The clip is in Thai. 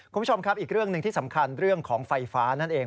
คุณผู้ชมครับอีกเรื่องหนึ่งที่สำคัญเรื่องของไฟฟ้านั่นเอง